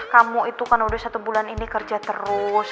kamu itu kan udah satu bulan ini kerja terus